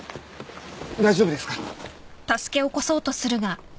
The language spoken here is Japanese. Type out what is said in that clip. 大丈夫ですか？